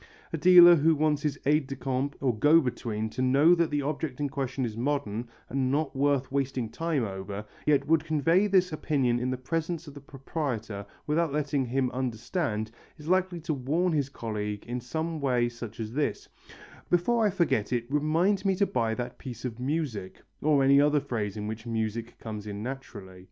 A dealer who wants his aide de camp or go between to know that the object in question is modern and not worth wasting time over, yet would convey this opinion in the presence of the proprietor without letting him understand, is likely to warn his colleague in some such a way as this, "Before I forget it, remind me to buy that piece of music," or any other phrase in which music comes in naturally.